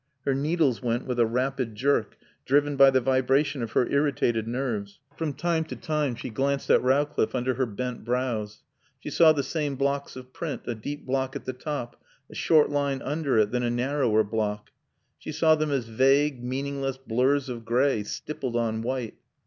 Her needles went with a rapid jerk, driven by the vibration of her irritated nerves. From time to time she glanced at Rowcliffe under her bent brows. She saw the same blocks of print, a deep block at the top, a short line under it, then a narrower block. She saw them as vague, meaningless blurs of gray stippled on white.